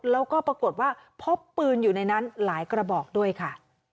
แล้วก็ปรากฏว่าพบปืนอยู่ในนั้นหลายกระบอกด้วยค่ะ